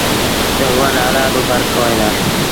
تا اُئآݩ نآلآ با ڦرڪ هوئين دآ۔